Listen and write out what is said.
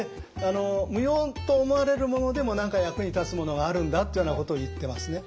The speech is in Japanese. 無用と思われるものでも何か役に立つものがあるんだっていうようなことを言ってますね。